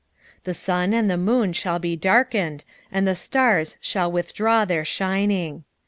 3:15 The sun and the moon shall be darkened, and the stars shall withdraw their shining.